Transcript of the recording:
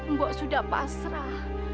mbok sudah pasrah